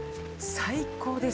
最高です。